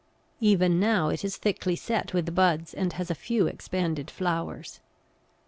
Even now it is thickly set with buds and has a few expanded flowers.